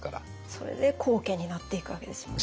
それで高家になっていくわけですもんね。